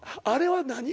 あれは何？